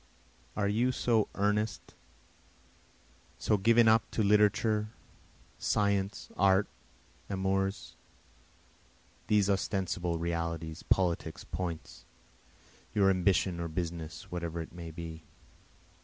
Are you so earnest, so given up to literature, science, art, amours? These ostensible realities, politics, points? Your ambition or business whatever it may be?